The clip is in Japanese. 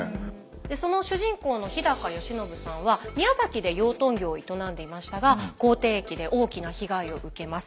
その主人公の日義暢さんは宮崎で養豚業を営んでいましたが口てい疫で大きな被害を受けます。